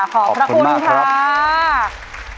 ขอบคุณมากครับ